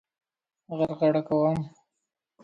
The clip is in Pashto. غرغړه کوم.